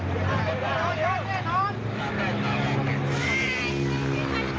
เป็นบัญชาการตอนภูมิอยู่ไม่มาก